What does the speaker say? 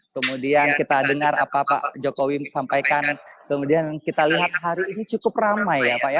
kemudian kita dengar apa pak jokowi sampaikan kemudian kita lihat hari ini cukup ramai ya pak ya